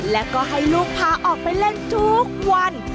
แล้วก็ให้ลูกพาออกไปเล่นทุกวัน